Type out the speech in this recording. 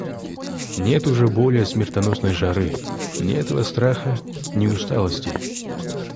Нет уже более смертоносной жары, ни этого страха, ни усталости.